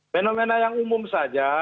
fenomena yang umum saja